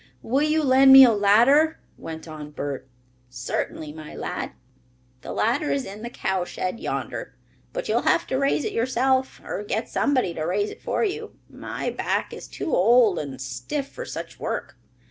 "Will you lend me a ladder?" went on Bert. "Certainly, my lad. The ladder is in the cow shed yonder. But you'll have to raise it yourself, or get somebody to raise it for you. My back is too old and stiff for such work."